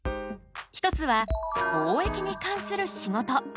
一つは貿易に関する仕事。